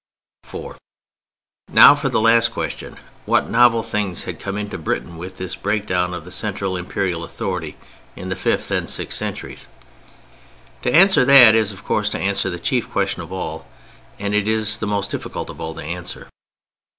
(4) Now for the last question: what novel things had come in to Britain with this break down of the central Imperial authority in the fifth and sixth centuries? To answer that is, of course, to answer the chief question of all, and it is the most difficult of all to answer.